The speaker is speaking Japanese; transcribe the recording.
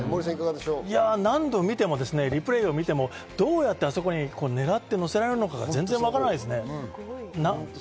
モーリーさ何度リプレイを見ても、どうやってあそこに狙ってのせられるのか、全然わからないですね。